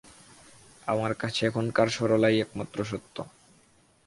আমার কাছে এখনকার সরলাই একমাত্র সত্য।